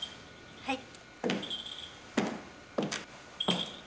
はい。